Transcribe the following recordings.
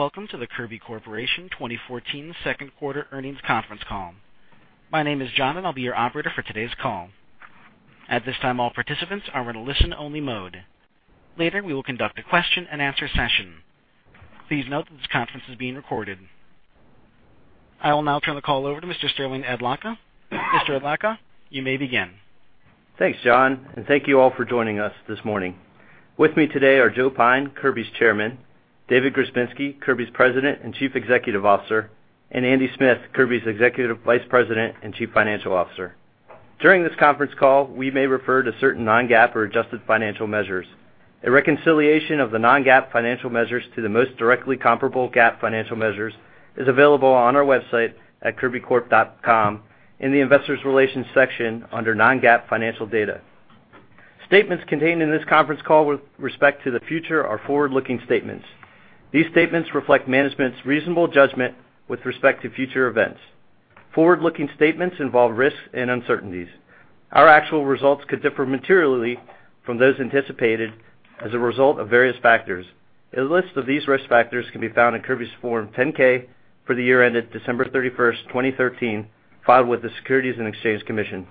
Welcome to the Kirby Corporation 2014 second quarter earnings conference call. My name is John, and I'll be your operator for today's call. At this time, all participants are in a listen-only mode. Later, we will conduct a question-and-answer session. Please note that this conference is being recorded. I will now turn the call over to Mr. Sterling Adlakha. Mr. Adlakha, you may begin. Thanks, John, and thank you all for joining us this morning. With me today are Joe Pyne, Kirby's Chairman; David Grzebinski, Kirby's President and Chief Executive Officer; and Andy Smith, Kirby's Executive Vice President and Chief Financial Officer. During this conference call, we may refer to certain non-GAAP or adjusted financial measures. A reconciliation of the non-GAAP financial measures to the most directly comparable GAAP financial measures is available on our website at kirbycorp.com in the Investor Relations section under Non-GAAP Financial Data. Statements contained in this conference call with respect to the future are forward-looking statements. These statements reflect management's reasonable judgment with respect to future events. Forward-looking statements involve risks and uncertainties. Our actual results could differ materially from those anticipated as a result of various factors. A list of these risk factors can be found in Kirby's Form 10-K for the year ended December 31st, 2013, filed with the Securities and Exchange Commission.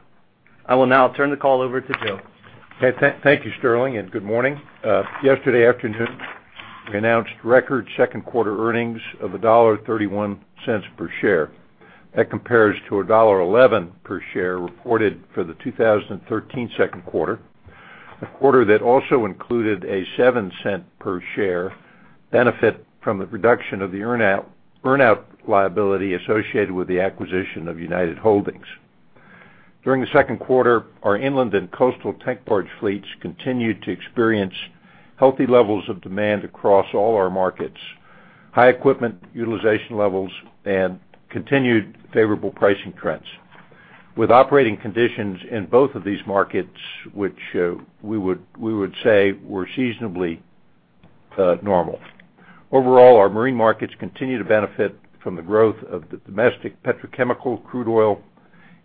I will now turn the call over to Joe. Thank you, Sterling, and good morning. Yesterday afternoon, we announced record second-quarter earnings of $1.31 per share. That compares to $1.11 per share reported for the 2013 second quarter, a quarter that also included a $0.07 per share benefit from the reduction of the earnout, earnout liability associated with the acquisition of United Holdings. During the second quarter, our inland and coastal tank barge fleets continued to experience healthy levels of demand across all our markets, high equipment utilization levels, and continued favorable pricing trends. With operating conditions in both of these markets, which we would, we would say were seasonably normal. Overall, our marine markets continue to benefit from the growth of the domestic petrochemical, crude oil,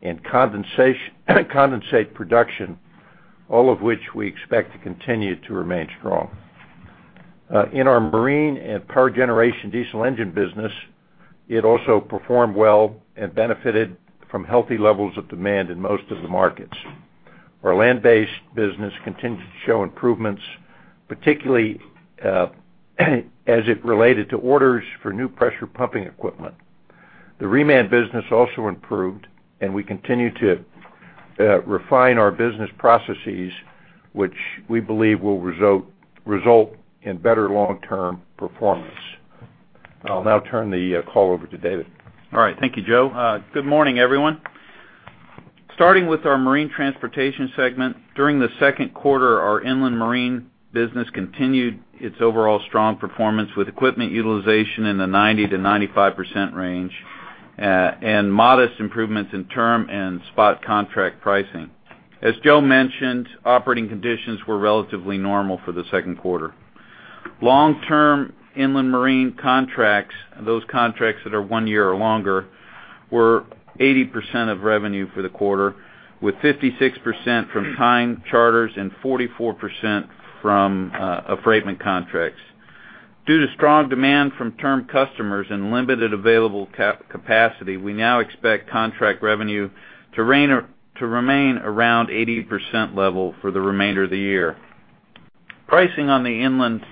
and condensate production, all of which we expect to continue to remain strong. In our marine and power generation diesel engine business, it also performed well and benefited from healthy levels of demand in most of the markets. Our land-based business continued to show improvements, particularly as it related to orders for new pressure pumping equipment. The reman business also improved, and we continue to refine our business processes, which we believe will result in better long-term performance. I'll now turn the call over to David. All right. Thank you, Joe. Good morning, everyone. Starting with our marine transportation segment, during the second quarter, our inland marine business continued its overall strong performance, with equipment utilization in the 90%-95% range, and modest improvements in term and spot contract pricing. As Joe mentioned, operating conditions were relatively normal for the second quarter. Long-term inland marine contracts, those contracts that are one year or longer, were 80% of revenue for the quarter, with 56% from time charters and 44% from affreightment contracts. Due to strong demand from term customers and limited available capacity, we now expect contract revenue to remain around 80% level for the remainder of the year. Pricing on the inland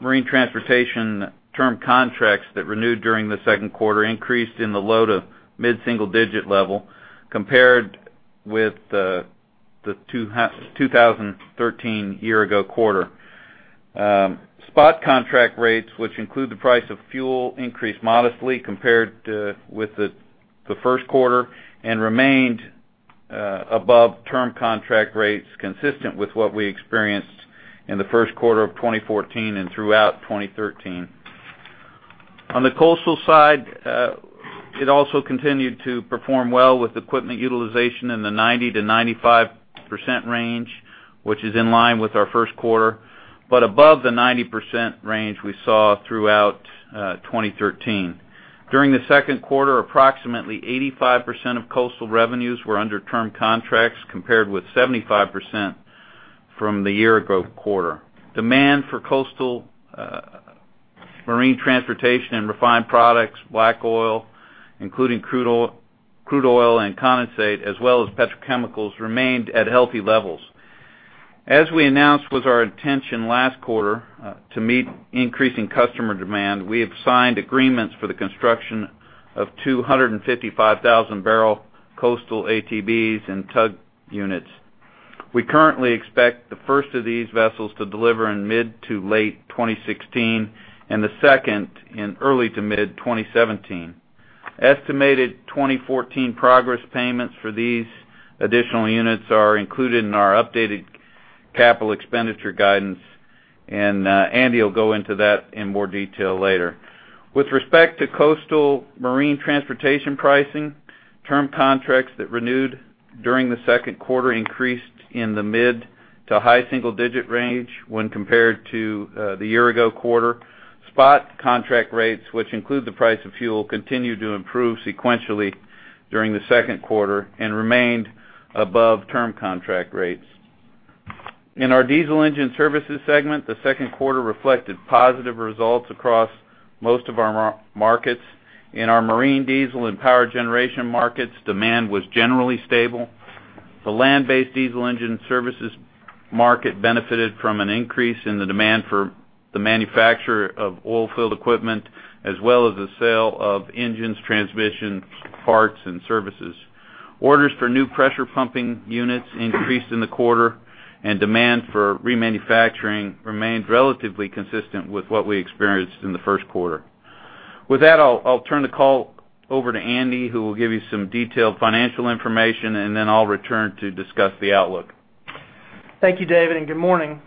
marine transportation term contracts that renewed during the second quarter increased in the low to mid-single digit level compared with the 2013 year-ago quarter. Spot contract rates, which include the price of fuel, increased modestly compared with the first quarter and remained above term contract rates, consistent with what we experienced in the first quarter of 2014 and throughout 2013. On the coastal side, it also continued to perform well, with equipment utilization in the 90%-95% range, which is in line with our first quarter, but above the 90% range we saw throughout 2013. During the second quarter, approximately 85% of coastal revenues were under term contracts, compared with 75% from the year-ago quarter. Demand for coastal marine transportation and refined products, black oil, including crude oil, crude oil and condensate, as well as petrochemicals, remained at healthy levels. As we announced was our intention last quarter to meet increasing customer demand, we have signed agreements for the construction of two 155,000 bbl coastal ATBs and tug units. We currently expect the first of these vessels to deliver in mid to late 2016, and the second in early to mid-2017. Estimated 2014 progress payments for these additional units are included in our updated capital expenditure guidance, and Andy will go into that in more detail later. With respect to coastal marine transportation pricing, term contracts that renewed during the second quarter increased in the mid to high single-digit range when compared to the year-ago quarter. Spot contract rates, which include the price of fuel, continued to improve sequentially during the second quarter and remained above term contract rates. In our Diesel Engine Services segment, the second quarter reflected positive results across most of our markets. In our marine diesel and power generation markets, demand was generally stable. The land-based diesel engine services market benefited from an increase in the demand for the manufacture of oil field equipment, as well as the sale of engines, transmission, parts, and services. Orders for new pressure pumping units increased in the quarter, and demand for remanufacturing remained relatively consistent with what we experienced in the first quarter. With that, I'll, I'll turn the call over to Andy, who will give you some detailed financial information, and then I'll return to discuss the outlook. Thank you, David, and good morning.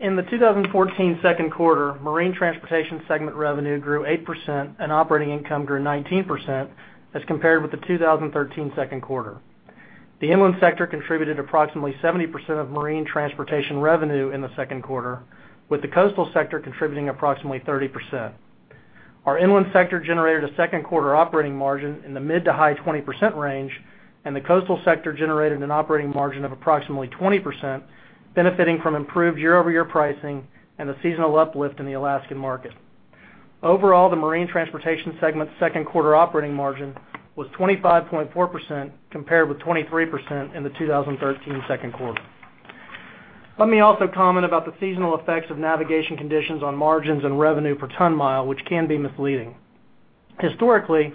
In the 2014 second quarter, marine transportation segment revenue grew 8% and operating income grew 19% as compared with the 2013 second quarter. The inland sector contributed approximately 70% of marine transportation revenue in the second quarter, with the coastal sector contributing approximately 30%. Our inland sector generated a second quarter operating margin in the mid- to high-20% range, and the coastal sector generated an operating margin of approximately 20%, benefiting from improved year-over-year pricing and the seasonal uplift in the Alaskan market. Overall, the marine transportation segment's second quarter operating margin was 25.4%, compared with 23% in the 2013 second quarter. Let me also comment about the seasonal effects of navigation conditions on margins and revenue per ton mile, which can be misleading. Historically,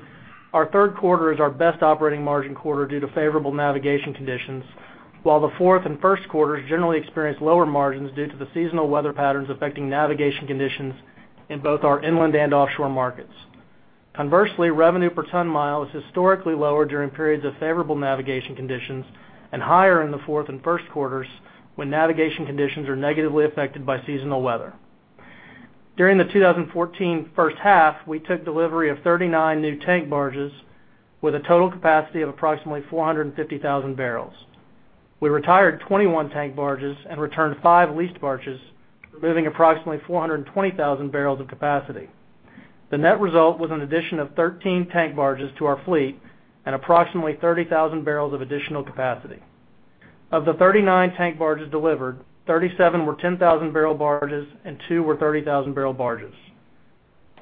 our third quarter is our best operating margin quarter due to favorable navigation conditions, while the fourth and first quarters generally experience lower margins due to the seasonal weather patterns affecting navigation conditions in both our inland and offshore markets. Conversely, revenue per ton mile is historically lower during periods of favorable navigation conditions and higher in the fourth and first quarters when navigation conditions are negatively affected by seasonal weather. During the 2014 first half, we took delivery of 39 new tank barges with a total capacity of approximately 450,000 bbl. We retired 21 tank barges and returned five leased barges, removing approximately 420,000 bbl of capacity. The net result was an addition of 13 tank barges to our fleet and approximately 30,000 bbl of additional capacity. Of the 39 tank barges delivered, 37 were 10,000 bbl barges and 2 were 30,000 bbl barges.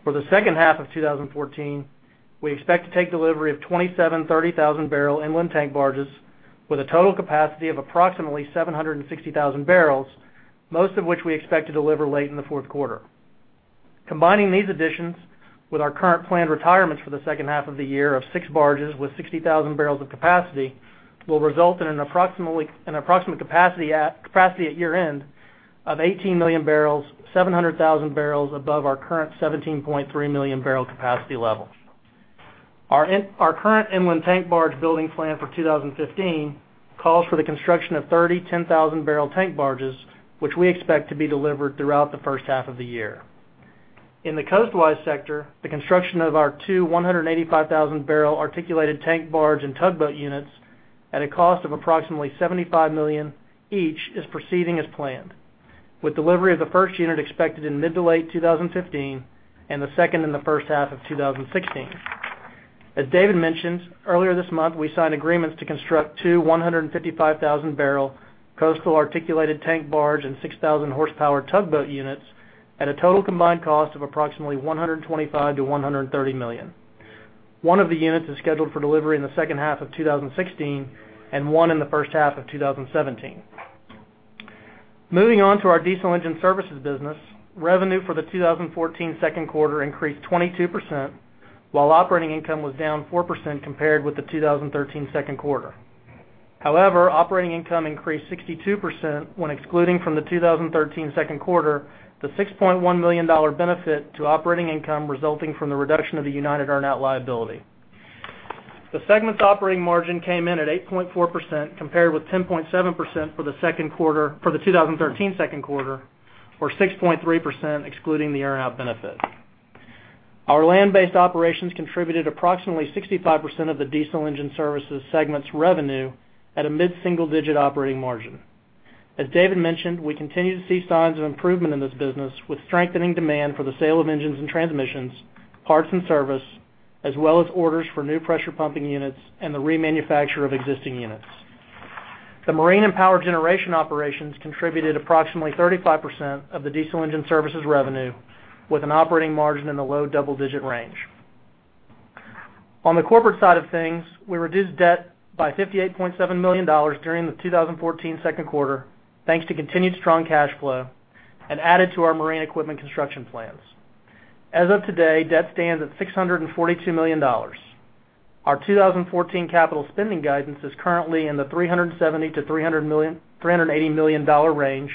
For the second half of 2014, we expect to take delivery of 27 30,000 bbl inland tank barges with a total capacity of approximately 760,000 bbl, most of which we expect to deliver late in the fourth quarter. Combining these additions with our current planned retirements for the second half of the year of 6 barges with 60,000 bbl of capacity, will result in an approximate capacity at year-end of 18 million bbl, 700,000 bbl above our current 17.3 million barrel capacity level. Our current inland tank barge building plan for 2015 calls for the construction of 30 10,000bbl tank barges, which we expect to be delivered throughout the first half of the year. In the coastwise sector, the construction of our two 185,000bbl articulated tank barge and tugboat units at a cost of approximately $75 million each is proceeding as planned, with delivery of the first unit expected in mid to late 2015, and the second in the first half of 2016. As David mentioned, earlier this month, we signed agreements to construct two 155,000bbl coastal articulated tank barge and 6,000-horsepower tugboat units at a total combined cost of approximately $125 million-$130 million. One of the units is scheduled for delivery in the second half of 2016, and one in the first half of 2017. Moving on to our diesel engine services business, revenue for the 2014 second quarter increased 22%, while operating income was down 4% compared with the 2013 second quarter. However, operating income increased 62% when excluding from the 2013 second quarter the $6.1 million benefit to operating income resulting from the reduction of the United earnout liability. The segment's operating margin came in at 8.4%, compared with 10.7% for the second quarter, for the 2013 second quarter, or 6.3%, excluding the earnout benefit. Our land-based operations contributed approximately 65% of the diesel engine services segment's revenue at a mid-single-digit operating margin. As David mentioned, we continue to see signs of improvement in this business, with strengthening demand for the sale of engines and transmissions, parts and service, as well as orders for new pressure pumping units and the remanufacture of existing units. The marine and power generation operations contributed approximately 35% of the diesel engine services revenue, with an operating margin in the low double-digit range. On the corporate side of things, we reduced debt by $58.7 million during the 2014 second quarter, thanks to continued strong cash flow and added to our marine equipment construction plans. As of today, debt stands at $642 million. Our 2014 capital spending guidance is currently in the $370 million-$380 million range,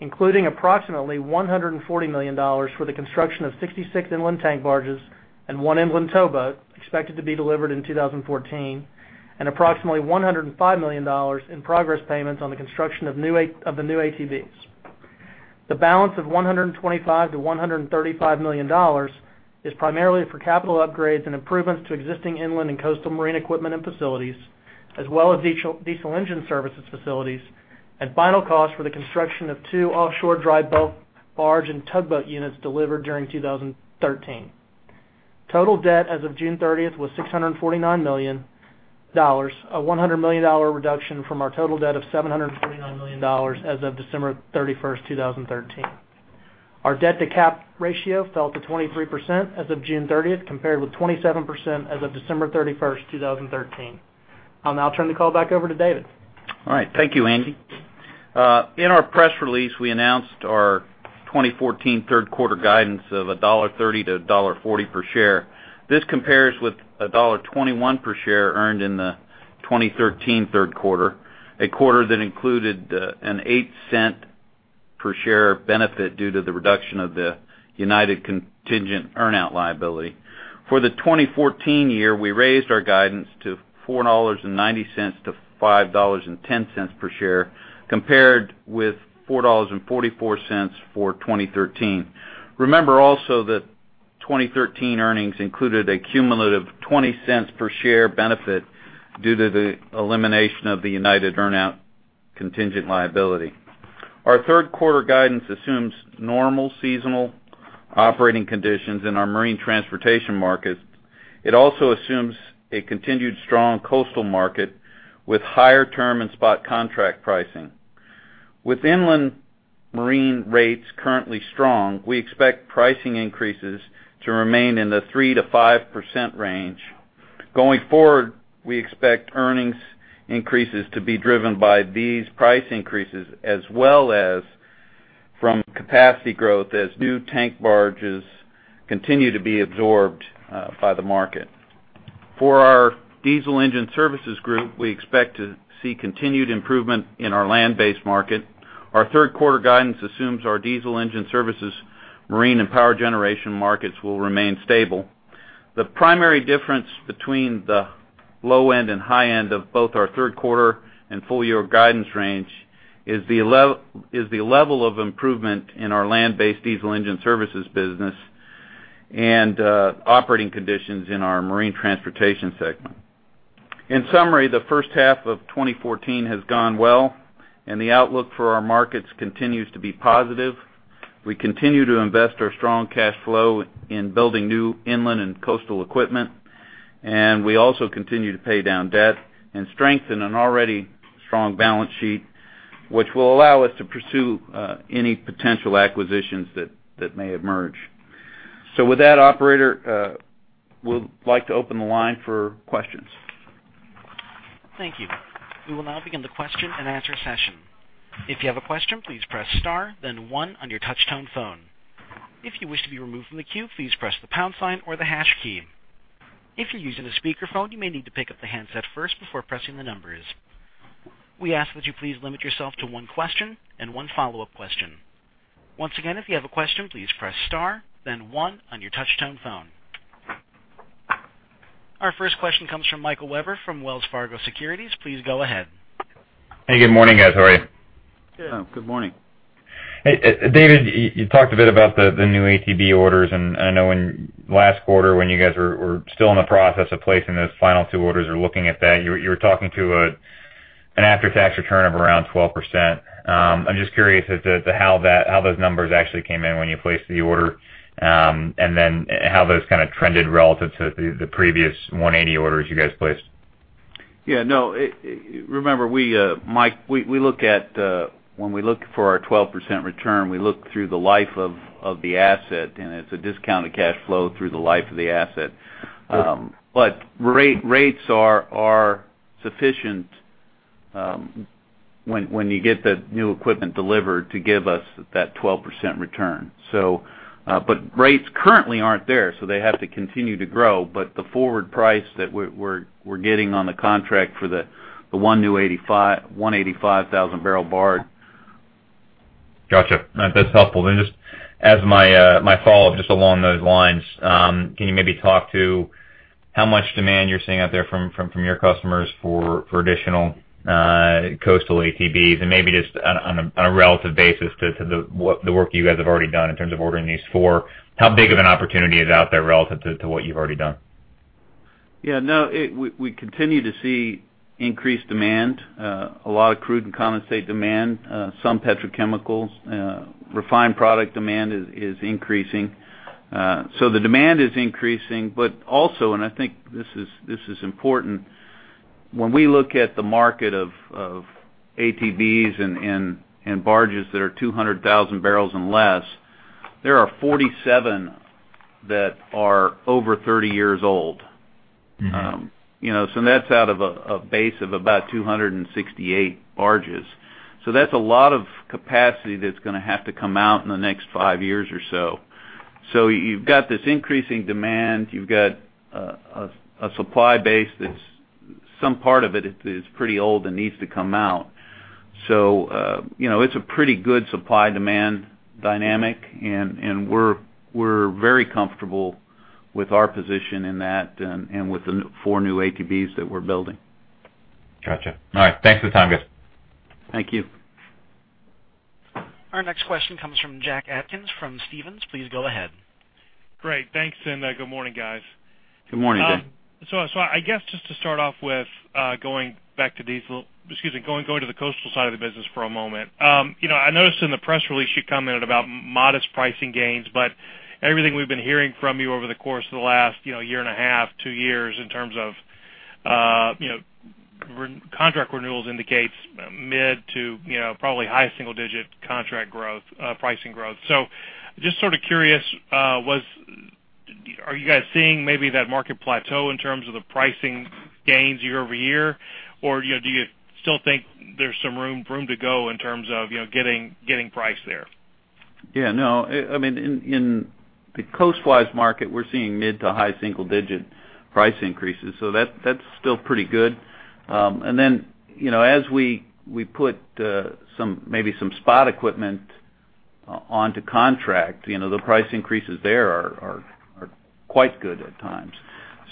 including approximately $140 million for the construction of 66 inland tank barges and 1 inland towboat, expected to be delivered in 2014, and approximately $105 million in progress payments on the construction of the new ATBs. The balance of $125 million-$135 million is primarily for capital upgrades and improvements to existing inland and coastal marine equipment and facilities, as well as diesel, diesel engine services facilities, and final costs for the construction of two offshore dry bulk barge and tugboat units delivered during 2013. Total debt as of June 30th, was $649 million, a $100 million reduction from our total debt of $749 million as of December 31st, 2013. Our debt-to-cap ratio fell to 23% as of June 30th, compared with 27% as of December 31st, 2013. I'll now turn the call back over to David. All right. Thank you, Andy. In our press release, we announced our 2014 third quarter guidance of $1.30-$1.40 per share. This compares with $1.21 per share earned in the 2013 third quarter, a quarter that included an $0.08 per share benefit due to the reduction of the United contingent earnout liability. For the 2014 year, we raised our guidance to $4.90-$5.10 per share, compared with $4.44 for 2013. Remember also, that 2013 earnings included a cumulative $0.20 per share benefit due to the elimination of the United earnout contingent liability. Our third quarter guidance assumes normal seasonal operating conditions in our marine transportation market. It also assumes a continued strong coastal market with higher term and spot contract pricing. With inland marine rates currently strong, we expect pricing increases to remain in the 3%-5% range. Going forward, we expect earnings increases to be driven by these price increases, as well as from capacity growth, as new tank barges continue to be absorbed by the market. For our Diesel Engine Services group, we expect to see continued improvement in our land-based market. Our third quarter guidance assumes our Diesel Engine Services, marine and power generation markets will remain stable. The primary difference between the low end and high end of both our third quarter and full year guidance range is the level of improvement in our land-based Diesel Engine Services business and operating conditions in our marine transportation segment. In summary, the first half of 2014 has gone well, and the outlook for our markets continues to be positive. We continue to invest our strong cash flow in building new inland and coastal equipment, and we also continue to pay down debt and strengthen an already strong balance sheet, which will allow us to pursue any potential acquisitions that may emerge. So with that, operator, we'd like to open the line for questions. Thank you. We will now begin the question and answer session. If you have a question, please press star, then one on your touchtone phone. If you wish to be removed from the queue, please press the pound sign or the hash key. If you're using a speakerphone, you may need to pick up the handset first before pressing the numbers. We ask that you please limit yourself to one question and one follow-up question. Once again, if you have a question, please press star, then one on your touchtone phone. Our first question comes from Michael Webber from Wells Fargo Securities. Please go ahead. Hey, good morning, guys. How are you? Good morning. Hey, David, you talked a bit about the new ATB orders, and I know in last quarter, when you guys were still in the process of placing those final two orders or looking at that, you were talking to an after-tax return of around 12%. I'm just curious as to how that—how those numbers actually came in when you placed the order, and then how those kind of trended relative to the previous 180 orders you guys placed? Yeah, no. Remember, Mike, we look at when we look for our 12% return, we look through the life of the asset, and it's a discounted cash flow through the life of the asset. But rates are sufficient when you get the new equipment delivered to give us that 12% return. So, but rates currently aren't there, so they have to continue to grow. But the forward price that we're getting on the contract for the one new 185,000 bbl barge. Gotcha. That's helpful. Then just as my my follow-up, just along those lines, can you maybe talk to how much demand you're seeing out there from your customers for additional coastal ATBs? And maybe just on a relative basis to what the work you guys have already done in terms of ordering these four, how big of an opportunity is out there relative to what you've already done? Yeah, no, we continue to see increased demand, a lot of crude and condensate demand, some petrochemicals, refined product demand is increasing. So the demand is increasing, but also, and I think this is important, when we look at the market of ATBs and barges that are 200,000 bbl and less, there are 47 that are over 30 years old. You know, so that's out of a base of about 268 barges. So that's a lot of capacity that's gonna have to come out in the next five years or so. So you've got this increasing demand, you've got a supply base that's some part of it is pretty old and needs to come out. So, you know, it's a pretty good supply-demand dynamic, and we're very comfortable with our position in that and with the four new ATBs that we're building. Gotcha. All right, thanks for the time, guys. Thank you. Our next question comes from Jack Atkins, from Stephens. Please go ahead. Great, thanks, and good morning, guys. Good morning, Jack. So, I guess just to start off with, going back to diesel, excuse me, going to the coastal side of the business for a moment. You know, I noticed in the press release, you commented about modest pricing gains, but everything we've been hearing from you over the course of the last, you know, year and a half, two years, in terms of, you know, recontract renewals indicates mid to, you know, probably high single digit contract growth, pricing growth. So just sort of curious, are you guys seeing maybe that market plateau in terms of the pricing gains year-over-year? Or, you know, do you still think there's some room to go in terms of, you know, getting price there? Yeah, no, I mean, in the coastwise market, we're seeing mid- to high-single-digit price increases, so that's still pretty good. And then, you know, as we put some maybe some spot equipment onto contract, you know, the price increases there are quite good at times.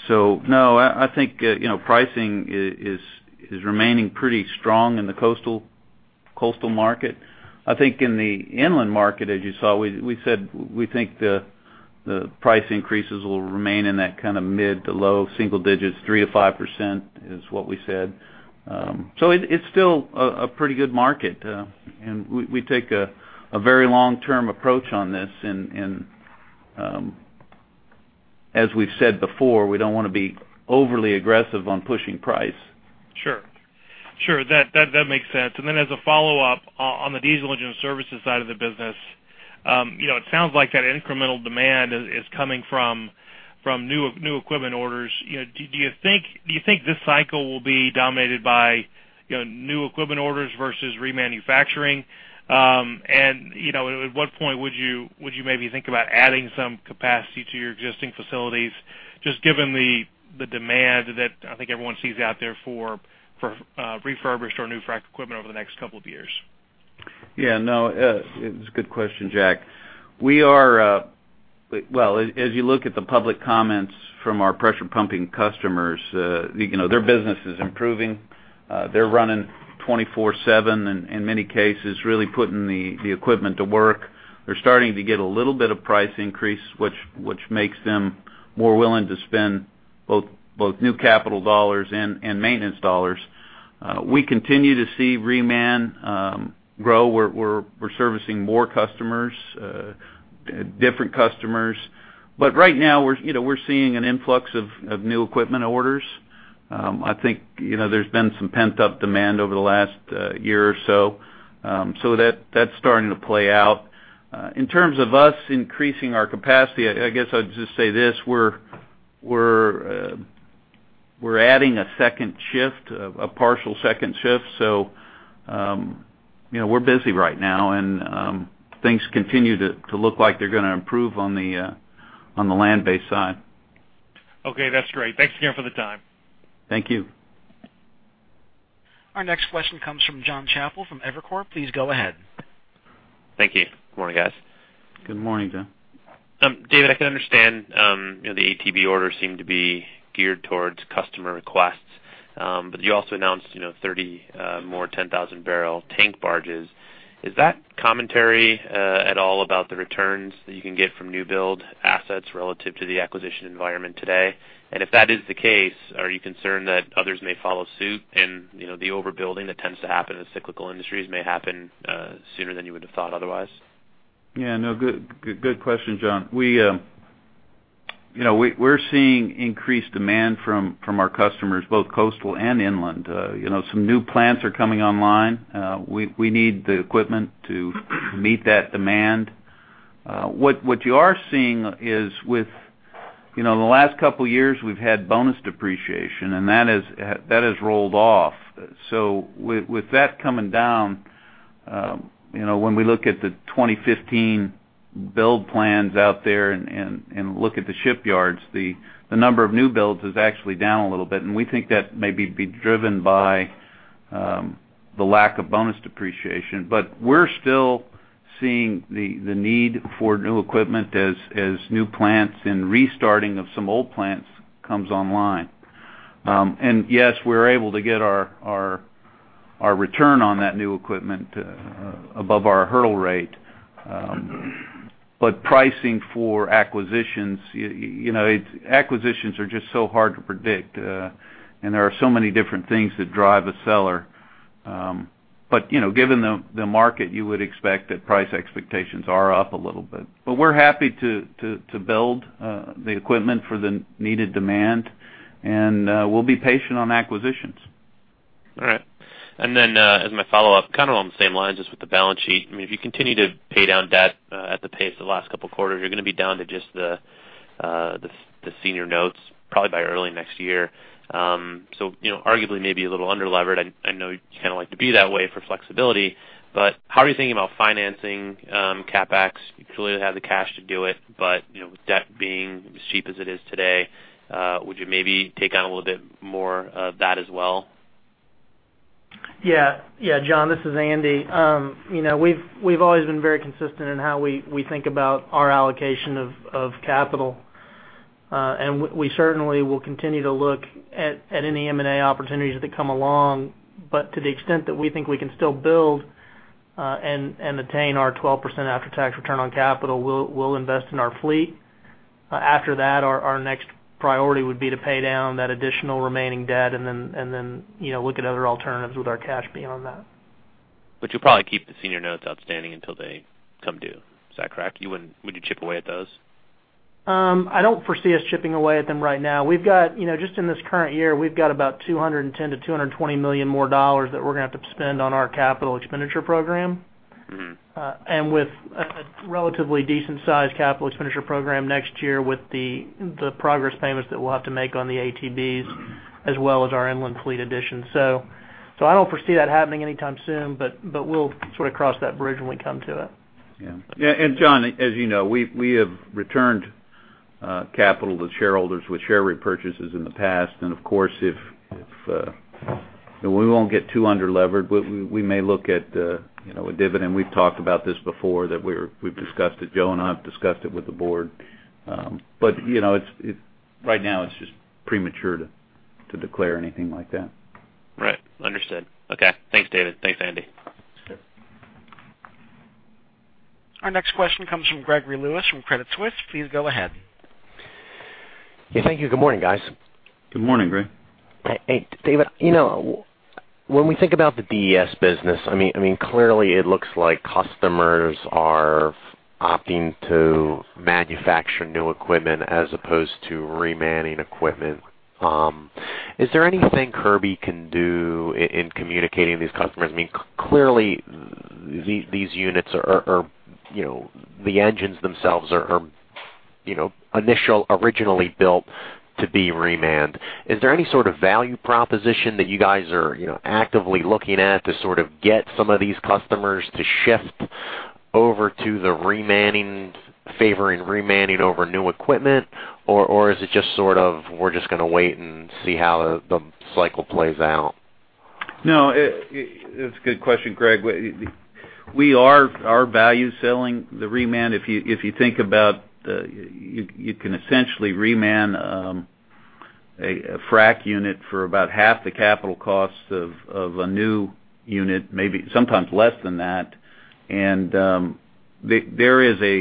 So no, I think, you know, pricing is remaining pretty strong in the coastal market. I think in the inland market, as you saw, we said we think the price increases will remain in that kind of mid- to low-single-digits, 3%-5% is what we said. So it's still a pretty good market, and we take a very long-term approach on this. And as we've said before, we don't wanna be overly aggressive on pushing price. Sure. Sure, that makes sense. And then as a follow-up, on the diesel engine services side of the business, you know, it sounds like that incremental demand is coming from new equipment orders. You know, do you think this cycle will be dominated by, you know, new equipment orders versus remanufacturing? And, you know, at what point would you maybe think about adding some capacity to your existing facilities, just given the demand that I think everyone sees out there for refurbished or new frac equipment over the next couple of years? Yeah, no, it's a good question, Jack. We are... Well, as you look at the public comments from our pressure pumping customers, you know, their business is improving. They're running 24/7, and in many cases, really putting the equipment to work. They're starting to get a little bit of price increase, which makes them more willing to spend both new capital dollars and maintenance dollars. We continue to see Reman grow. We're servicing more customers, different customers. But right now, we're, you know, seeing an influx of new equipment orders. I think, you know, there's been some pent-up demand over the last year or so. So that's starting to play out. In terms of us increasing our capacity, I guess I'd just say this: we're adding a second shift, a partial second shift. So, you know, we're busy right now, and things continue to look like they're gonna improve on the land-based side. Okay, that's great. Thanks again for the time. Thank you. Our next question comes from Jon Chappell from Evercore. Please go ahead. Thank you. Good morning, guys. Good morning, Jon. David, I can understand, you know, the ATB orders seem to be geared towards customer requests. But you also announced, you know, 30 more 10,000bbl tank barges. Is that commentary at all about the returns that you can get from new build assets relative to the acquisition environment today? And if that is the case, are you concerned that others may follow suit and, you know, the overbuilding that tends to happen in cyclical industries may happen sooner than you would've thought otherwise? Yeah, no, good, good question, Jon. We, you know, we're seeing increased demand from our customers, both coastal and inland. You know, some new plants are coming online. We need the equipment to meet that demand. What you are seeing is with, you know, the last couple years, we've had bonus depreciation, and that has rolled off. So with that coming down, you know, when we look at the 2015 build plans out there and look at the shipyards, the number of new builds is actually down a little bit, and we think that may be driven by the lack of bonus depreciation. But we're still seeing the need for new equipment as new plants and restarting of some old plants comes online. And yes, we're able to get our return on that new equipment above our hurdle rate. But pricing for acquisitions, you know, acquisitions are just so hard to predict. And there are so many different things that drive a seller. But you know, given the market, you would expect that price expectations are up a little bit. But we're happy to build the equipment for the needed demand, and we'll be patient on acquisitions. All right. And then, as my follow-up, kind of along the same lines, just with the balance sheet. I mean, if you continue to pay down debt, at the pace of the last couple quarters, you're gonna be down to just the, the, the senior notes, probably by early next year. So, you know, arguably, maybe a little underlevered. I know you kind of like to be that way for flexibility, but how are you thinking about financing, CapEx? You clearly have the cash to do it, but, you know, with debt being as cheap as it is today, would you maybe take on a little bit more of that as well? Yeah, yeah, John, this is Andy. You know, we've always been very consistent in how we think about our allocation of capital. And we certainly will continue to look at any M&A opportunities that come along. But to the extent that we think we can still build, and attain our 12% after-tax return on capital, we'll invest in our fleet. After that, our next priority would be to pay down that additional remaining debt and then, you know, look at other alternatives with our cash being on that. But you'll probably keep the senior notes outstanding until they come due. Is that correct? You wouldn't-- would you chip away at those? I don't foresee us chipping away at them right now. We've got, you know, just in this current year, we've got about $210 million-$220 million more dollars that we're gonna have to spend on our capital expenditure program. Mm-hmm. And with a relatively decent sized capital expenditure program next year, with the progress payments that we'll have to make on the ATBs, as well as our inland fleet additions. So, I don't foresee that happening anytime soon, but we'll sort of cross that bridge when we come to it. Yeah. Yeah, and Jon, as you know, we have returned capital to shareholders with share repurchases in the past. And of course, if we won't get too under-levered, but we may look at, you know, a dividend. We've talked about this before, that we're—we've discussed it, Joe and I have discussed it with the board. But, you know, it's right now, it's just premature to declare anything like that. Right. Understood. Okay. Thanks, David. Thanks, Andy. Our next question comes from Gregory Lewis, from Credit Suisse. Please go ahead. Yeah, thank you. Good morning, guys. Good morning, Greg. Hey, David, you know, when we think about the DES business, I mean, clearly, it looks like customers are opting to manufacture new equipment as opposed to reman equipment. Is there anything Kirby can do in communicating these customers? I mean, clearly, these units are, you know, the engines themselves are, you know, originally built to be reman. Is there any sort of value proposition that you guys are, you know, actively looking at to sort of get some of these customers to shift over to the reman, favoring reman over new equipment? Or is it just sort of, we're just gonna wait and see how the cycle plays out? No, it's a good question, Greg. We are value selling the reman. If you think about, you can essentially reman a frack unit for about half the capital cost of a new unit, maybe sometimes less than that. And there is a,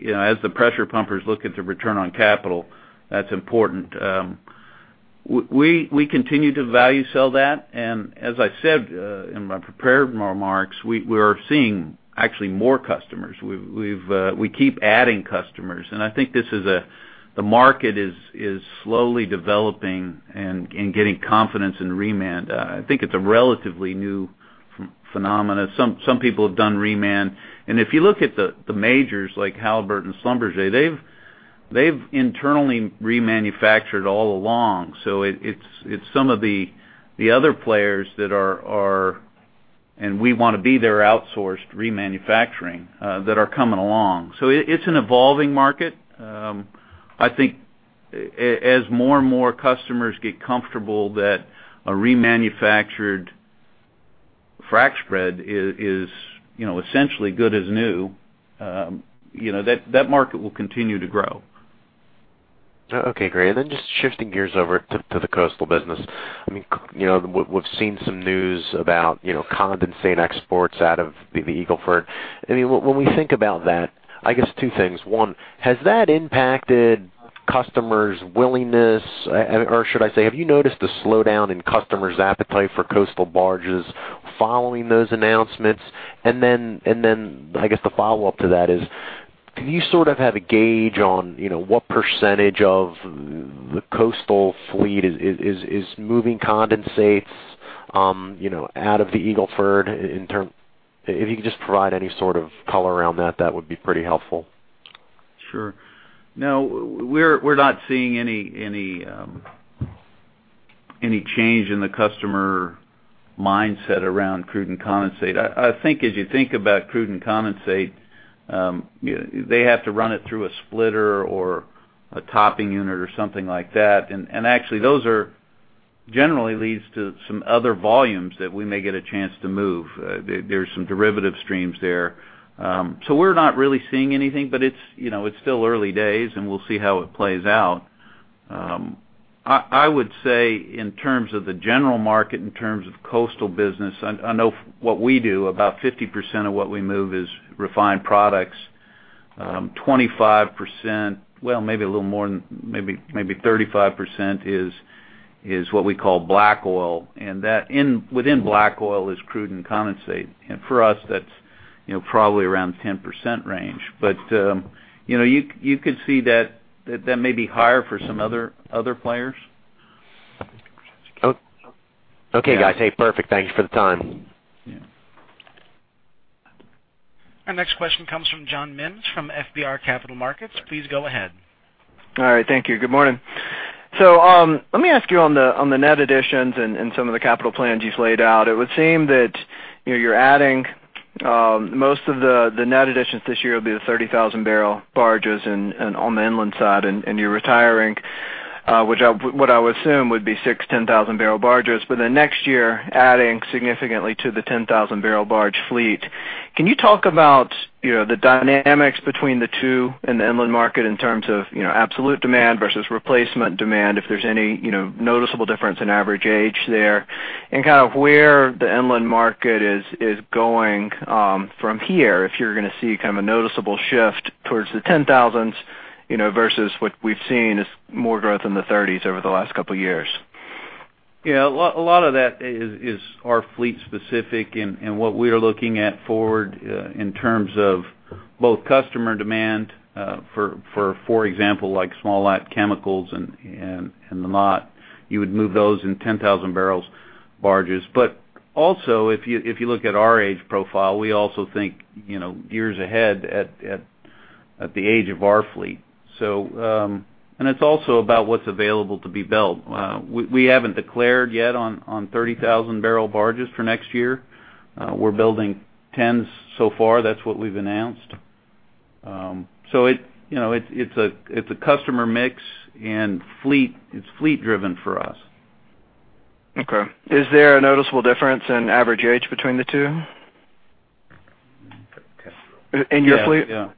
you know, as the pressure pumpers look at the return on capital, that's important. We continue to value sell that, and as I said, in my prepared remarks, we are seeing actually more customers. We keep adding customers, and I think the market is slowly developing and getting confidence in reman. I think it's a relatively new phenomenon. Some people have done reman. And if you look at the majors like Halliburton and Schlumberger, they've internally remanufactured all along. So it's some of the other players that are... And we wanna be their outsourced remanufacturing that are coming along. So it's an evolving market. I think as more and more customers get comfortable that a remanufactured frack spread is, you know, essentially good as new, you know, that market will continue to grow. Okay, great. And then just shifting gears over to the coastal business. I mean, you know, we've seen some news about, you know, condensate and exports out of the Eagle Ford. I mean, when we think about that, I guess two things. One, has that impacted customers' willingness, or should I say, have you noticed a slowdown in customers' appetite for coastal barges following those announcements? And then I guess the follow-up to that is, do you sort of have a gauge on, you know, what percentage of the coastal fleet is moving condensates, you know, out of the Eagle Ford, if you could just provide any sort of color around that, that would be pretty helpful. Sure. No, we're not seeing any change in the customer mindset around crude and condensate. I think as you think about crude and condensate, they have to run it through a splitter or a topping unit or something like that. And actually, those generally lead to some other volumes that we may get a chance to move. There's some derivative streams there. So we're not really seeing anything, but it's, you know, it's still early days, and we'll see how it plays out. I would say, in terms of the general market, in terms of coastal business, I know what we do, about 50% of what we move is refined products. 25%, well, maybe a little more than, maybe, maybe 35% is what we call black oil, and that within black oil is crude and condensate. And for us, that's, you know, probably around 10% range. But, you know, you could see that that may be higher for some other players. Okay, guys. Hey, perfect. Thank you for the time. Yeah. Our next question comes from Jon Minnis from FBR Capital Markets. Please go ahead. All right. Thank you. Good morning. So, let me ask you on the net additions and some of the capital plans you've laid out. It would seem that, you know, you're adding most of the net additions this year will be the 30,000 bbl barges and on the inland side, and you're retiring, which, what I would assume would be six 10,000 bbl barges, but then next year, adding significantly to the 10,000 bbl barge fleet. Can you talk about, you know, the dynamics between the two and the inland market in terms of, you know, absolute demand versus replacement demand, if there's any, you know, noticeable difference in average age there? Kind of where the inland market is, is going from here, if you're gonna see kind of a noticeable shift towards the 10,000s?... you know, versus what we've seen is more growth in the 30s over the last couple of years. Yeah, a lot of that is our fleet specific and what we are looking at forward in terms of both customer demand for example like small lot chemicals and the lot. You would move those in 10,000 bbl barges. But also, if you look at our age profile, we also think you know years ahead at the age of our fleet. So, and it's also about what's available to be built. We haven't declared yet on 30,000 bbl barges for next year. We're building tens so far. That's what we've announced. So it you know it's a customer mix and fleet—it's fleet driven for us. Okay. Is there a noticeable difference in average age between the two? Okay. In your fleet? Yeah. Yeah.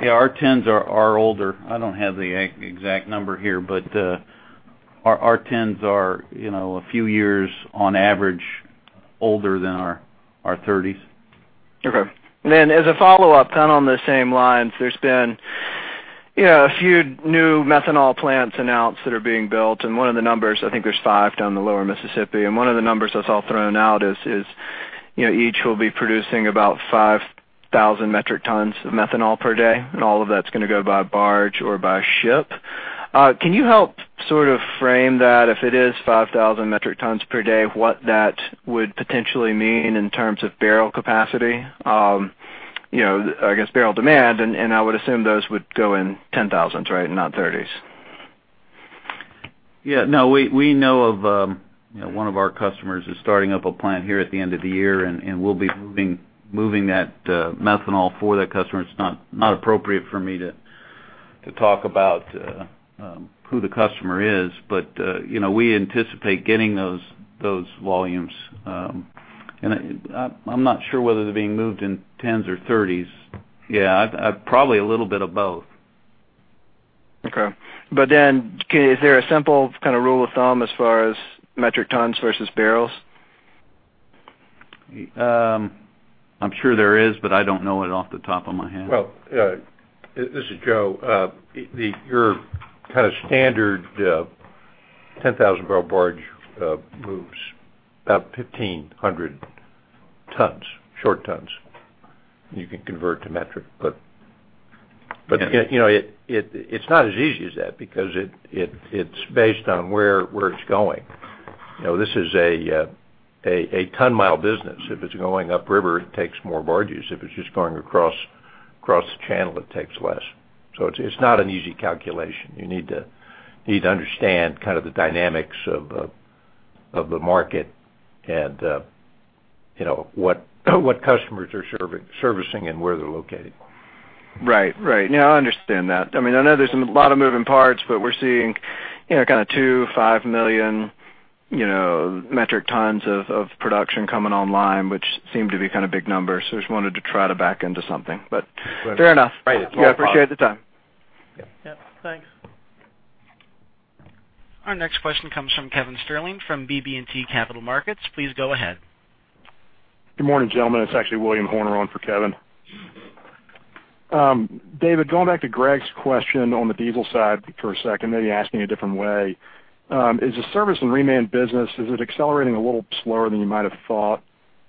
Our tens are older. I don't have the exact number here, but our tens are, you know, a few years on average, older than our thirties. Okay. Then as a follow-up, kind of on the same lines, there's been, you know, a few new methanol plants announced that are being built, and one of the numbers, I think there's five down the Lower Mississippi, and one of the numbers that's all thrown out is, is, you know, each will be producing about 5,000 metric tons of methanol per day, and all of that's going to go by barge or by ship. Can you help sort of frame that, if it is 5,000 metric tons per day, what that would potentially mean in terms of barrel capacity? You know, I guess, barrel demand, and, and I would assume those would go in 10,000s, right? Not 30s. Yeah, no, we know of, you know, one of our customers is starting up a plant here at the end of the year, and we'll be moving that methanol for that customer. It's not appropriate for me to talk about who the customer is, but, you know, we anticipate getting those volumes. And I'm not sure whether they're being moved in 10s or 30s. Yeah, probably a little bit of both. Okay. But then, is there a simple kind of rule of thumb as far as metric tons versus bbl? I'm sure there is, but I don't know it off the top of my head. Well, this is Joe. Your kind of standard 10,000 bbl barge moves about 1,500 tons, short tons. You can convert to metric, but you know, it's not as easy as that because it's based on where it's going. You know, this is a ton mile business. If it's going upriver, it takes more barges. If it's just going across the channel, it takes less. So it's not an easy calculation. You need to understand kind of the dynamics of the market and you know, what customers are servicing and where they're located. Right. Right. Yeah, I understand that. I mean, I know there's a lot of moving parts, but we're seeing, you know, kind of 2.5 million, you know, metric tons of production coming online, which seem to be kind of big numbers. So just wanted to try to back into something, but fair enough. Right. I appreciate the time. Yeah. Yeah. Thanks. Our next question comes from Kevin Sterling from BB&T Capital Markets. Please go ahead. Good morning, gentlemen. It's actually William Horner on for Kevin. David, going back to Greg's question on the diesel side for a second, maybe asking a different way. Is the service and reman business accelerating a little slower than you might have thought?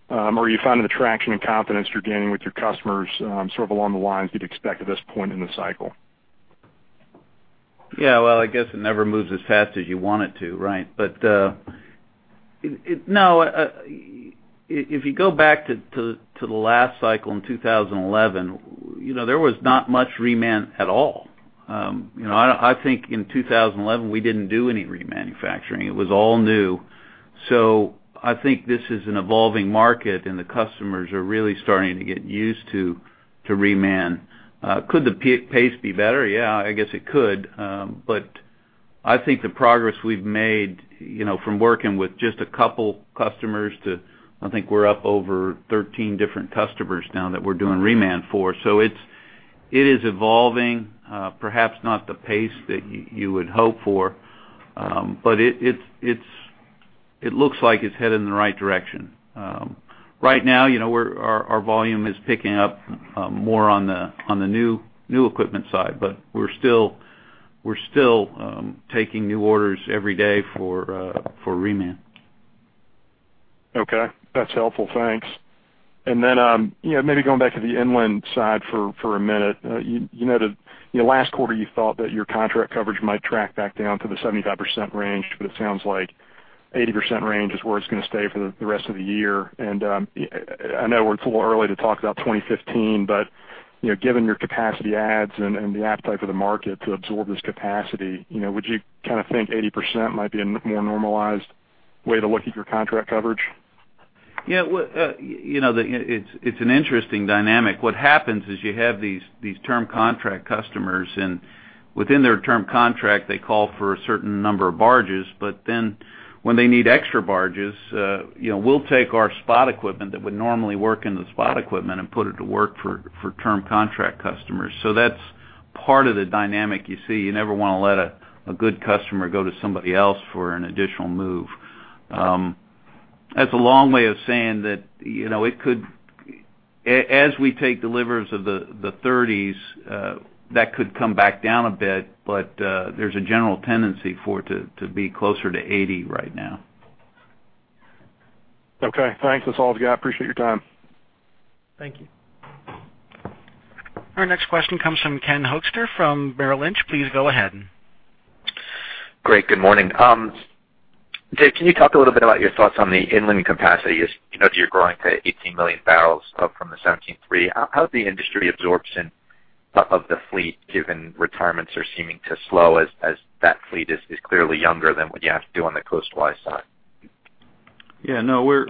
Or are you finding the traction and confidence you're gaining with your customers sort of along the lines you'd expect at this point in the cycle? Yeah, well, I guess it never moves as fast as you want it to, right? But, no, if you go back to the last cycle in 2011, you know, there was not much Reman at all. You know, I think in 2011, we didn't do any remanufacturing. It was all new. So I think this is an evolving market, and the customers are really starting to get used to Reman. Could the pace be better? Yeah, I guess it could. But I think the progress we've made, you know, from working with just a couple customers to, I think, we're up over 13 different customers now that we're doing Reman for. So it's evolving, perhaps not at the pace that you would hope for, but it's headed in the right direction. Right now, you know, our volume is picking up more on the new equipment side, but we're still taking new orders every day for reman. Okay. That's helpful. Thanks. And then, you know, maybe going back to the inland side for a minute. You know, the last quarter, you thought that your contract coverage might track back down to the 75% range, but it sounds like 80% range is where it's going to stay for the rest of the year. And, I know it's a little early to talk about 2015, but, you know, given your capacity adds and the appetite for the market to absorb this capacity, you know, would you kind of think 80% might be a more normalized way to look at your contract coverage? Yeah, well, you know, it's, it's an interesting dynamic. What happens is you have these, these term contract customers, and within their term contract, they call for a certain number of barges, but then when they need extra barges, you know, we'll take our spot equipment that would normally work in the spot equipment and put it to work for, for term contract customers. So that's part of the dynamic you see. You never want to let a, a good customer go to somebody else for an additional move. That's a long way of saying that, you know, it could, as we take deliveries of the, the 30s, that could come back down a bit, but, there's a general tendency for it to, to be closer to 80 right now. Okay, thanks. That's all I've got. I appreciate your time. Thank you. Our next question comes from Ken Hoexter from Merrill Lynch. Please go ahead. Great, good morning. Dave, can you talk a little bit about your thoughts on the inland capacity, as you know, you're growing to 18 million bbl up from the 17.3. How is the industry absorption of the fleet, given retirements are seeming to slow as that fleet is clearly younger than what you have to do on the coastwise side? Yeah, no, we're,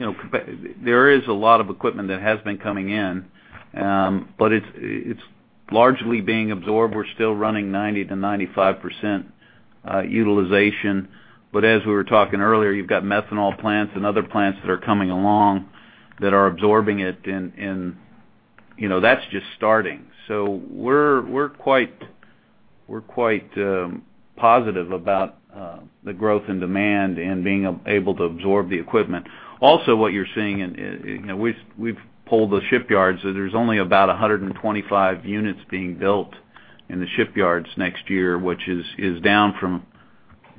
you know, there is a lot of equipment that has been coming in, but it's largely being absorbed. We're still running 90%-95% utilization. But as we were talking earlier, you've got methanol plants and other plants that are coming along that are absorbing it, and, you know, that's just starting. So we're quite positive about the growth in demand and being able to absorb the equipment. Also, what you're seeing, and, you know, we've pulled the shipyards, so there's only about 125 units being built in the shipyards next year, which is down from,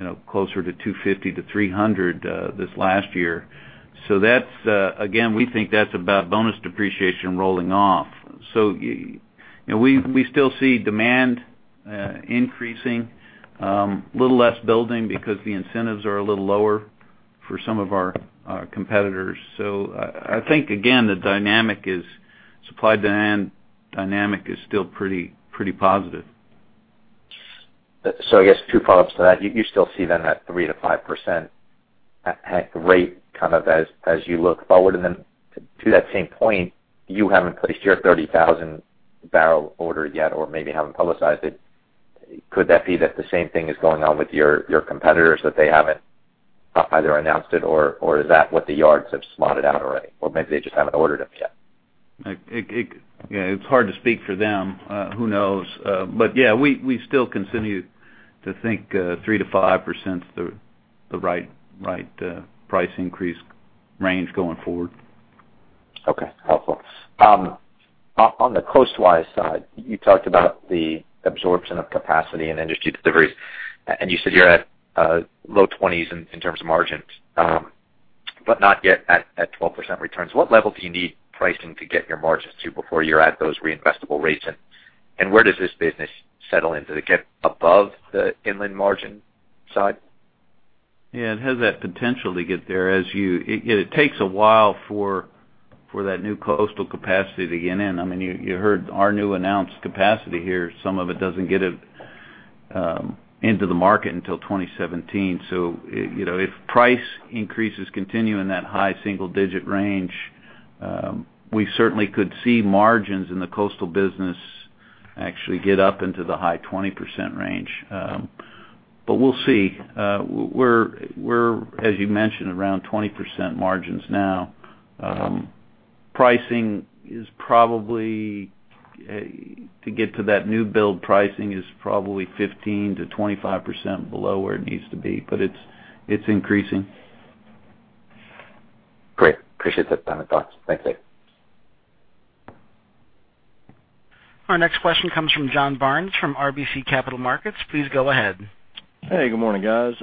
you know, closer to 250-300 this last year. So that's... Again, we think that's about bonus depreciation rolling off. So, you know, we still see demand increasing, a little less building because the incentives are a little lower for some of our competitors. So I think, again, the dynamic is supply-demand dynamic is still pretty positive. I guess two follow-ups to that. You still see then that 3%-5% at the rate, kind of as you look forward, and then to that same point, you haven't placed your 30,000 bbl order yet, or maybe haven't publicized it. Could that be that the same thing is going on with your competitors, that they haven't either announced it, or is that what the yards have slotted out already? Or maybe they just haven't ordered them yet. Yeah, it's hard to speak for them. Who knows? But yeah, we still continue to think 3%-5% is the right price increase range going forward. Okay. Helpful. On the coastwise side, you talked about the absorption of capacity and industry deliveries, and you said you're at low 20s in terms of margins, but not yet at 12% returns. What level do you need pricing to get your margins to before you're at those reinvestable rates? And where does this business settle in? Does it get above the inland margin side? Yeah, it has that potential to get there as you... It takes a while for that new coastal capacity to get in. I mean, you heard our new announced capacity here. Some of it doesn't get into the market until 2017. So, you know, if price increases continue in that high single digit range, we certainly could see margins in the coastal business actually get up into the high 20% range. But we'll see. We're, as you mentioned, around 20% margins now. Pricing is probably to get to that new build, pricing is probably 15%-25% below where it needs to be, but it's increasing. Great. Appreciate the time and thoughts. Thanks, Dave. Our next question comes from John Barnes from RBC Capital Markets. Please go ahead. Hey, good morning, guys.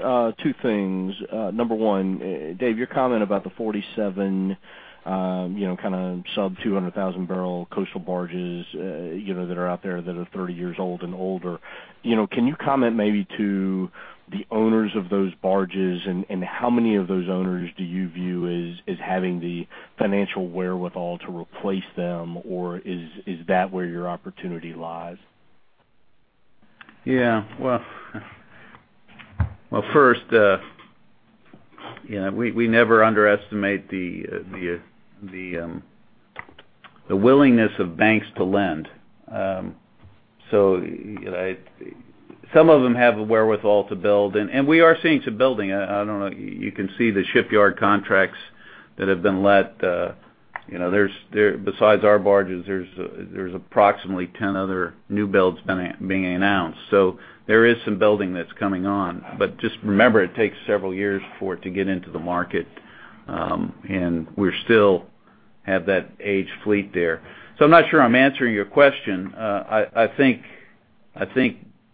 Two things. Number one, Dave, your comment about the 47, you know, kind of sub-200,000bbl coastal barges, you know, that are out there that are 30 years old and older. You know, can you comment maybe to the owners of those barges and how many of those owners do you view as having the financial wherewithal to replace them, or is that where your opportunity lies? Yeah. Well, well, first, you know, we never underestimate the willingness of banks to lend. So some of them have the wherewithal to build, and we are seeing some building. I don't know, you can see the shipyard contracts that have been let, you know, there's, besides our barges, there's approximately 10 other new builds being announced. So there is some building that's coming on. But just remember, it takes several years for it to get into the market, and we still have that aged fleet there. So I'm not sure I'm answering your question. I think,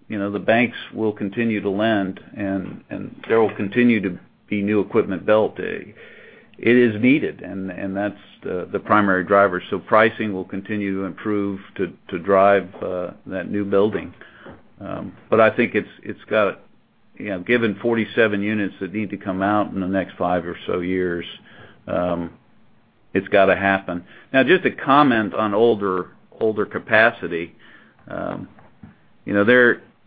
you know, the banks will continue to lend, and there will continue to be new equipment built. It is needed, and that's the primary driver. So pricing will continue to improve to drive that new building. But I think it's got, you know, given 47 units that need to come out in the next five or so years, it's got to happen. Now, just to comment on older capacity. You know,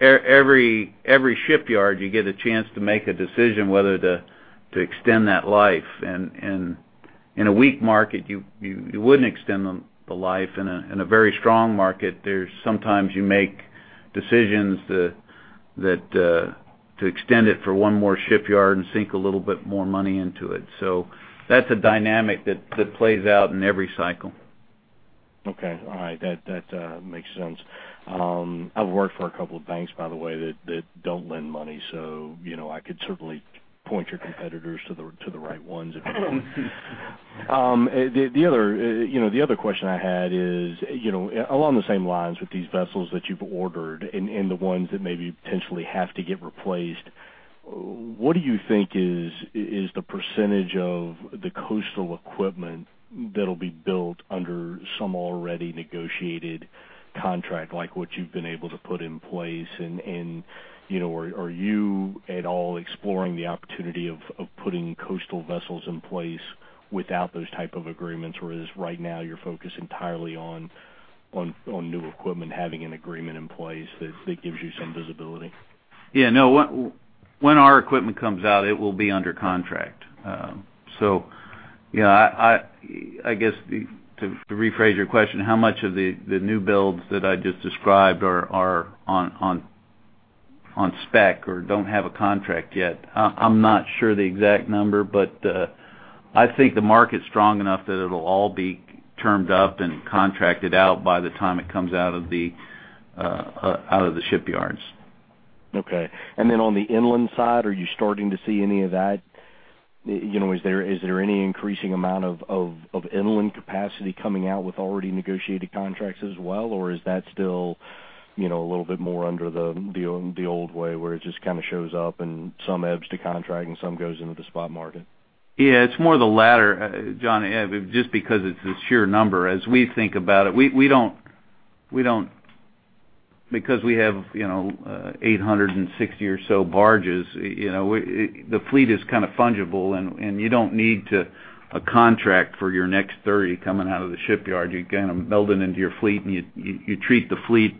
every shipyard, you get a chance to make a decision whether to extend that life, and in a weak market, you wouldn't extend the life. In a very strong market, there's sometimes you make decisions that to extend it for one more shipyard and sink a little bit more money into it. So that's a dynamic that plays out in every cycle. Okay. All right, that makes sense. I've worked for a couple of banks, by the way, that don't lend money, so, you know, I could certainly point your competitors to the right ones if you want. The other question I had is, you know, along the same lines with these vessels that you've ordered and the ones that maybe potentially have to get replaced, what do you think is the percentage of the coastal equipment that'll be built under some already negotiated contract, like what you've been able to put in place? And, you know, are you at all exploring the opportunity of putting coastal vessels in place without those type of agreements? Or is right now, you're focused entirely on new equipment, having an agreement in place that gives you some visibility? Yeah, no. When our equipment comes out, it will be under contract. So yeah, I guess to rephrase your question, how much of the new builds that I just described are on spec or don't have a contract yet? I'm not sure the exact number, but I think the market's strong enough that it'll all be termed up and contracted out by the time it comes out of the shipyards. Okay. And then, on the inland side, are you starting to see any of that? You know, is there any increasing amount of inland capacity coming out with already negotiated contracts as well, or is that still, you know, a little bit more under the old way, where it just kind of shows up and some goes to contract and some goes into the spot market? Yeah, it's more the latter, John, just because it's a sheer number. As we think about it, we don't because we have, you know, 860 or so barges, you know, it, the fleet is kind of fungible, and you don't need to a contract for your next 30 coming out of the shipyard. You kind of build it into your fleet, and you treat the fleet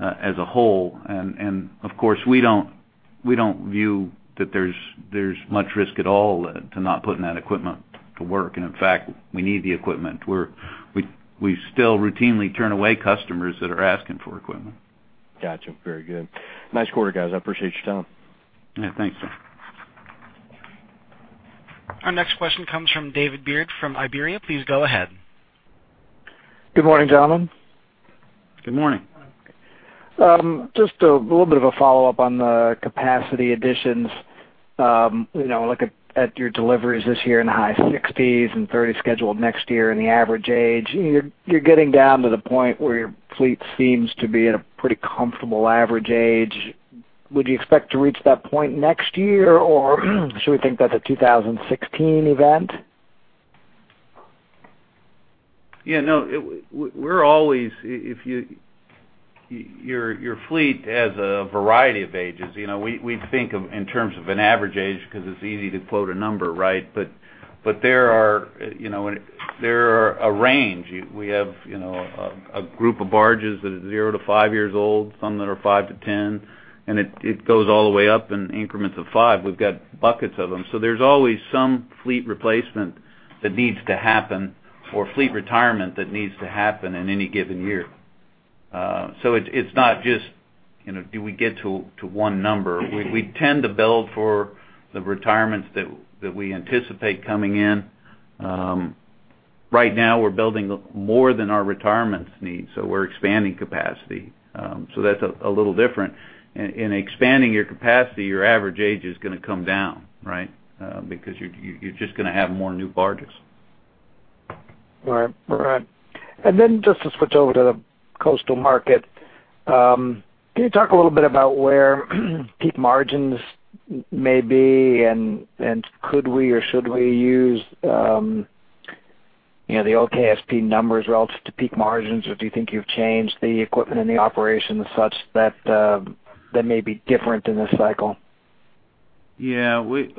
as a whole. And, of course, we don't view that there's much risk at all to not putting that equipment to work. And in fact, we need the equipment. We're, we still routinely turn away customers that are asking for equipment. Gotcha. Very good. Nice quarter, guys. I appreciate your time. Yeah, thanks. Our next question comes from David Beard from Iberia. Please go ahead. Good morning, gentlemen. Good morning. Just a little bit of a follow-up on the capacity additions. You know, looking at your deliveries this year in the high 60s and 30s scheduled next year, and the average age, you're getting down to the point where your fleet seems to be at a pretty comfortable average age. Would you expect to reach that point next year, or should we think that's a 2016 event? Yeah, no. We're always. If your fleet has a variety of ages. You know, we think of it in terms of an average age because it's easy to quote a number, right? But there are, you know, there is a range. We have, you know, a group of barges that are zero to five years old, some that are five to 10, and it goes all the way up in increments of five. We've got buckets of them. So there's always some fleet replacement that needs to happen, or fleet retirement that needs to happen in any given year. So it's not just, you know, do we get to one number? We tend to build for the retirements that we anticipate coming in. Right now, we're building more than our retirement needs, so we're expanding capacity. So that's a little different. In expanding your capacity, your average age is gonna come down, right? Because you're just gonna have more new barges. All right. All right. And then just to switch over to the coastal market, can you talk a little bit about where peak margins may be? And, and could we or should we use, you know, the K-Sea numbers relative to peak margins, or do you think you've changed the equipment and the operations such that that may be different in this cycle? Yeah, we, you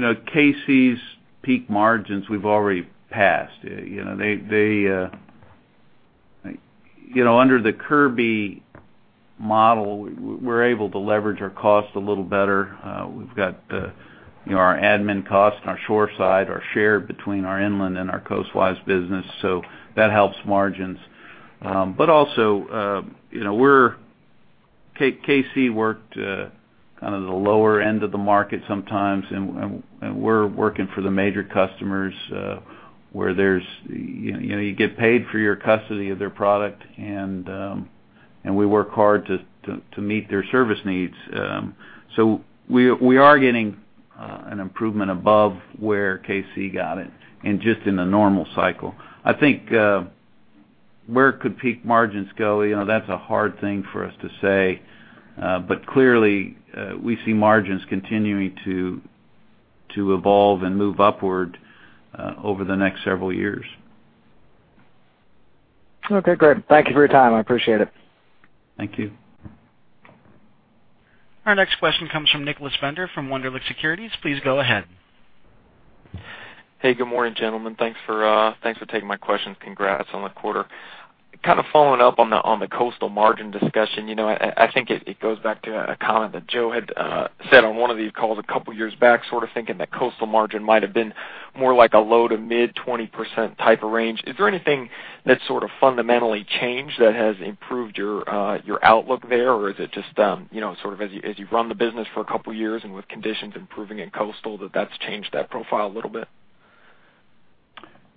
know, K-Sea's peak margins, we've already passed. You know, they, you know, under the Kirby model, we're able to leverage our costs a little better. We've got, you know, our admin costs and our shoreside are shared between our inland and our coastwise business, so that helps margins. But also, you know, we're K-Sea, K-Sea worked, kind of the lower end of the market sometimes, and we're working for the major customers, where there's, you know, you get paid for your custody of their product, and we work hard to meet their service needs. So we are getting an improvement above where K-Sea got it and just in the normal cycle. I think, where could peak margins go? You know, that's a hard thing for us to say. But clearly, we see margins continuing to evolve and move upward over the next several years. Okay, great. Thank you for your time. I appreciate it. Thank you. Our next question comes from Nicholas Fender, from Wunderlich Securities. Please go ahead. Hey, good morning, gentlemen. Thanks for taking my questions. Congrats on the quarter. Kind of following up on the coastal margin discussion. You know, I think it goes back to a comment that Joe had said on one of these calls a couple of years back, sort of thinking that coastal margin might have been more like a low-to-mid 20% type of range. Is there anything that sort of fundamentally changed that has improved your outlook there, or is it just you know, sort of as you've run the business for a couple of years, and with conditions improving in coastal, that's changed that profile a little bit?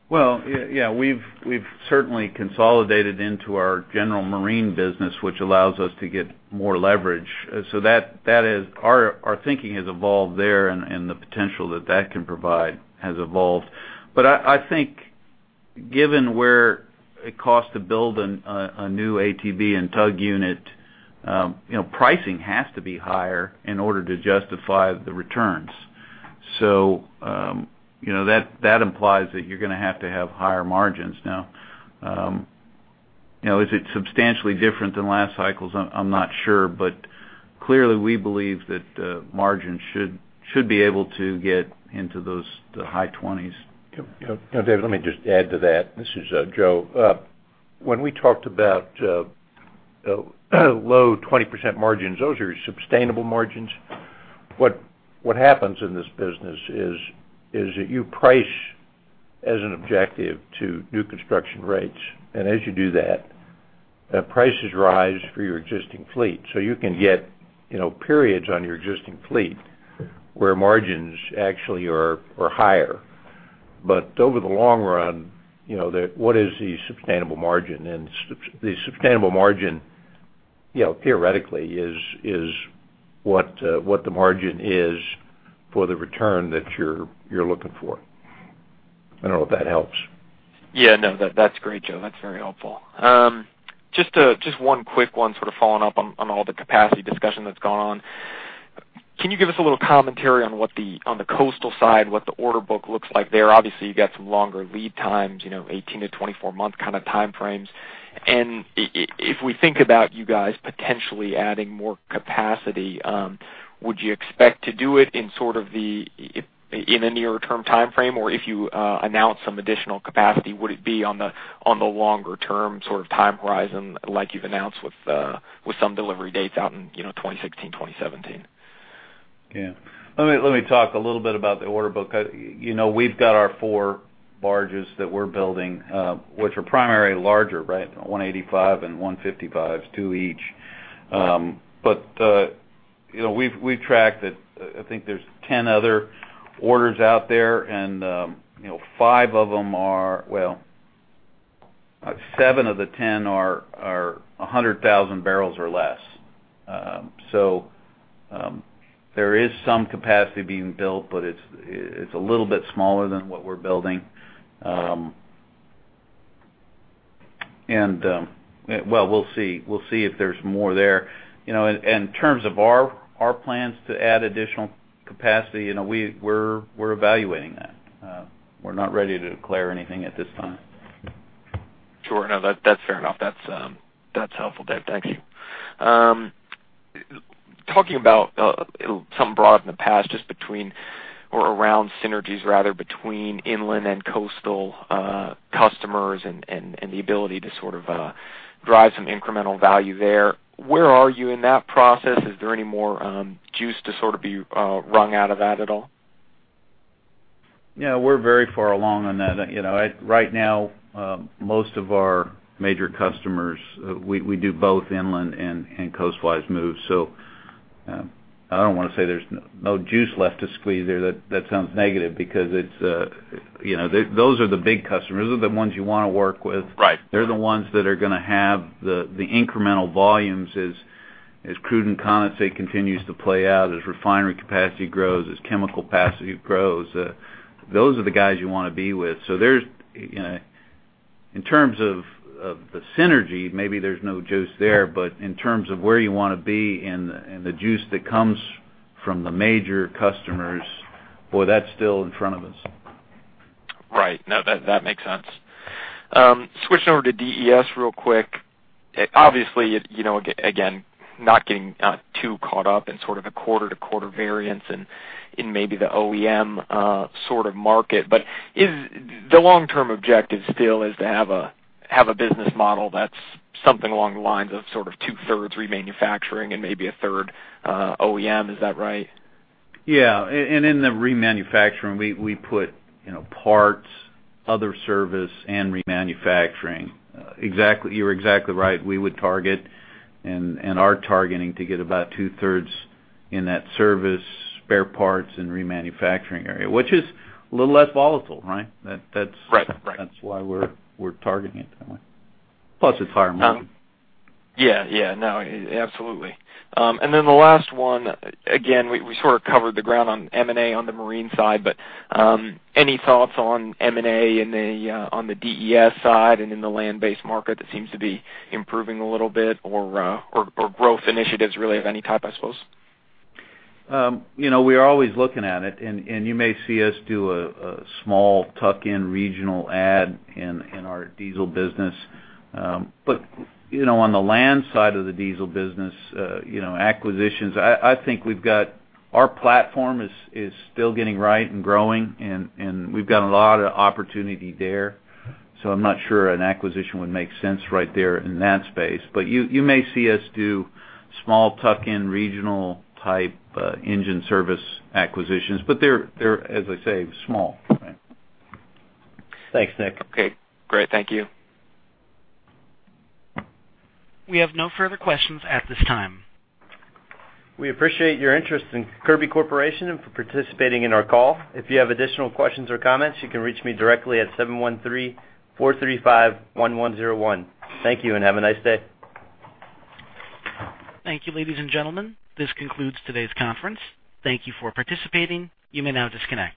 Well, yeah, yeah, we've, we've certainly consolidated into our general marine business, which allows us to get more leverage. So that, that is, our, our thinking has evolved there, and, and the potential that that can provide has evolved. But I, I think given where it costs to build a, a new ATB and tug unit, pricing has to be higher in order to justify the returns. So, you know, that, that implies that you're gonna have to have higher margins. Now, you know, is it substantially different than last cycles? I'm, I'm not sure, but clearly, we believe that, margins should, should be able to get into those, the high twenties. Yeah, David, let me just add to that. This is Joe. When we talked about low 20% margins, those are sustainable margins. What happens in this business is that you price as an objective to new construction rates. And as you do that, prices rise for your existing fleet, so you can get, you know, periods on your existing fleet where margins actually are higher. But over the long run, you know, the what is the sustainable margin? And the sustainable margin, you know, theoretically, is what the margin is for the return that you're looking for. I don't know if that helps. Yeah, no, that, that's great, Joe. That's very helpful. Just to—just one quick one, sort of following up on, on all the capacity discussion that's gone on. Can you give us a little commentary on what the—on the coastal side, what the order book looks like there? Obviously, you've got some longer lead times, you know, 18-24 month kind of time frames. And if we think about you guys potentially adding more capacity, would you expect to do it in sort of the, in a nearer term timeframe? Or if you, announce some additional capacity, would it be on the, on the longer term sort of time horizon, like you've announced with, with some delivery dates out in, you know, 2016, 2017? Yeah. Let me, let me talk a little bit about the order book. You know, we've got our four barges that we're building, which are primarily larger, right? 185 and 155s, two each. But you know, we've tracked it. I think there's 10 other orders out there, and you know, five of them are... Well, seven of the 10 are 100,000 bbl or less. So, there is some capacity being built, but it's a little bit smaller than what we're building. And well, we'll see. We'll see if there's more there. You know, in terms of our plans to add additional capacity, you know, we're evaluating that. We're not ready to declare anything at this time. Sure. No, that, that's fair enough. That's, that's helpful, Dave. Thank you. Talking about something brought up in the past, just between or around synergies, rather, between inland and coastal customers and the ability to sort of drive some incremental value there. Where are you in that process? Is there any more juice to sort of be wrung out of that at all? Yeah, we're very far along on that. You know, right now, most of our major customers, we do both inland and coast-wise moves. So, I don't want to say there's no juice left to squeeze there. That sounds negative because it's, you know, those are the big customers. Those are the ones you want to work with. Right. They're the ones that are gonna have the, the incremental volumes as, as crude and condensate continues to play out, as refinery capacity grows, as chemical capacity grows, those are the guys you want to be with. So there's, in terms of, of the synergy, maybe there's no juice there, but in terms of where you want to be and the, and the juice that comes from the major customers, boy, that's still in front of us. Right. No, that makes sense. Switching over to DES real quick. Obviously, it... You know, again, not getting too caught up in sort of a quarter-to-quarter variance in maybe the OEM sort of market, but is the long-term objective still to have a business model that's something along the lines of sort of two-thirds remanufacturing and maybe a third OEM. Is that right? Yeah. And in the remanufacturing, we put, you know, parts, other service, and remanufacturing. Exactly. You're exactly right. We would target, and are targeting to get about two-thirds in that service, spare parts, and remanufacturing area, which is a little less volatile, right? That's right Right. That's why we're, we're targeting it that way. Plus, it's higher margin. Yeah, yeah. No, absolutely. And then the last one, again, we sort of covered the ground on M&A on the marine side, but any thoughts on M&A on the DES side and in the land-based market that seems to be improving a little bit, or growth initiatives, really, of any type, I suppose? You know, we are always looking at it, and you may see us do a small tuck-in regional add-in in our diesel business. But you know, on the land side of the diesel business, you know, acquisitions, I think we've got... Our platform is still getting right and growing, and we've got a lot of opportunity there, so I'm not sure an acquisition would make sense right there in that space. But you may see us do small tuck-in, regional-type engine service acquisitions, but they're, as I say, small. Thanks, Nick. Okay, great. Thank you. We have no further questions at this time. We appreciate your interest in Kirby Corporation and for participating in our call. If you have additional questions or comments, you can reach me directly at 713-435-1101. Thank you, and have a nice day. Thank you, ladies and gentlemen. This concludes today's conference. Thank you for participating. You may now disconnect.